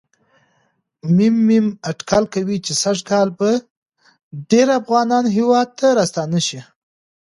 م.م اټکل کوي چې سږ کال به ډېر افغانان هېواد ته راستانه شي.